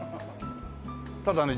ただね